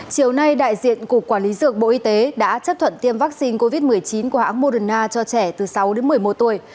chiều nay đại diện cục quản lý dược bộ y tế đã chấp thuận tiêm vaccine covid một mươi chín của hãng moderna cho trẻ từ sáu đến một mươi một tuổi